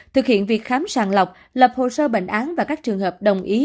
thực hiện việc khám sàng lọc lập hồ sơ bệnh án và các trường hợp đồng ý